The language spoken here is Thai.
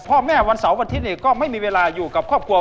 พ่อแม่วันเสาร์วันทิศนี่ก็ไม่มีเวลาอยู่กับครอบครัว